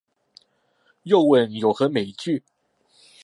又问有何美句？